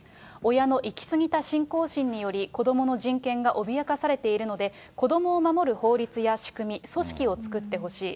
親の行き過ぎた信仰心により、子どもの人権が脅かされているので、子どもを守る法律や仕組み、組織を作ってほしい。